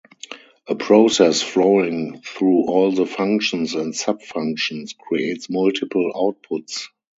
A process flowing through all the functions and sub-functions creates multiple outputs.